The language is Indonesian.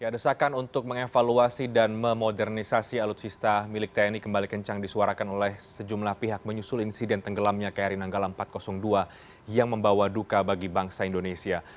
desakan untuk mengevaluasi dan memodernisasi alutsista milik tni kembali kencang disuarakan oleh sejumlah pihak menyusul insiden tenggelamnya kri nanggala empat ratus dua yang membawa duka bagi bangsa indonesia